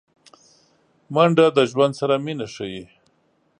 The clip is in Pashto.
منډه د ژوند سره مینه ښيي